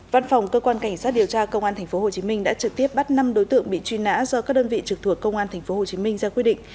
văn phòng cơ quan cảnh sát điều tra công an tp hcm đã trực tiếp bắt năm đối tượng bị truy nã do các đơn vị trực thuộc công an tp hcm ra quy định